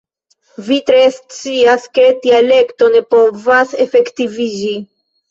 Vi tre scias, ke tia elekto ne povas efektiviĝi.